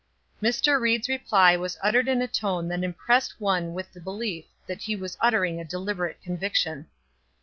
Mr. Ried's reply was uttered in a tone that impressed one with the belief that he was uttering a deliberate conviction.